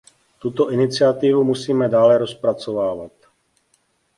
Tuto iniciativu musíme dále rozpracovat.